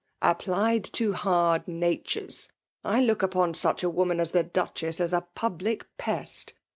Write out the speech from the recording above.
'' Applied to hard natures ! I look upon such a woman as the Duchess as a public pest!